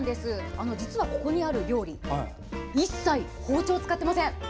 実はここにある料理一切、包丁を使っていません。